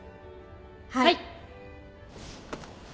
はい。